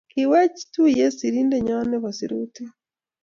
kiwewech tuye serindenyo nebo sirutik